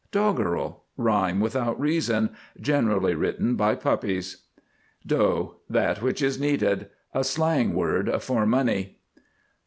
DOGGEREL. Rhyme without reason, generally written by puppies. DOUGH. That which is kneaded. A slang word for money.